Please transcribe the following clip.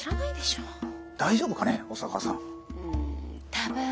多分。